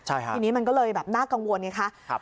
ทีนี้มันก็เลยแบบน่ากังวลไงคะ